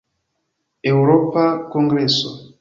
Eŭropa kongreso.